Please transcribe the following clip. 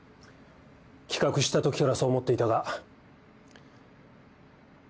企画したときからそう思っていたが。